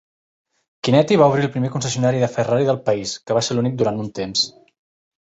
Chinetti va obrir el primer concessionari de Ferrari del país, que va ser l'únic durant un temps.